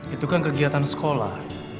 itu kan kegiatan sekolah